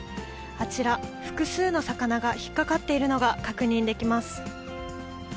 あちら、複数の魚が引っ掛かっているのが確認できます。